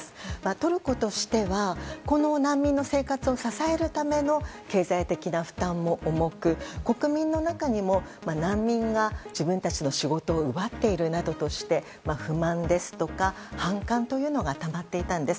トルコとしてはこの難民の生活を支えるための経済的な負担も重く国民の中にも難民が自分たちの仕事を奪っているなどとして不満ですとか反感というのがたまっていたんです。